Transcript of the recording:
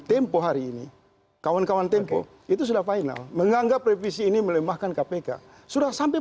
tempo hari ini kawan kawan tempo itu sudah final menganggap revisi ini melemahkan kpk sudah sampai